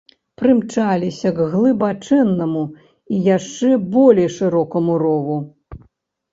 Прымчаліся к глыбачэннаму і яшчэ болей шырокаму рову.